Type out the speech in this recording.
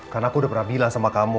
karena aku udah pernah bilang sama kamu